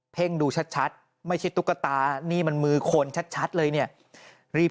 หลังจากพบศพผู้หญิงปริศนาตายตรงนี้ครับ